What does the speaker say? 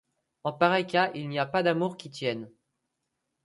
En pareil cas, il n'y a pas d'amour qui tienne.